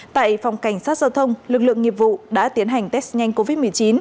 tại phòng cảnh sát giao thông lực lượng nghiệp vụ đã tiến hành test nhanh covid một mươi chín